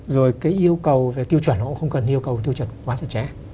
rồi cái yêu cầu về tiêu chuẩn họ cũng không cần yêu cầu tiêu chuẩn quá chặt chẽ